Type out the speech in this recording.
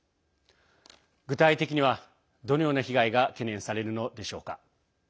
具体的には、どのような被害が懸念されるのでしょうか。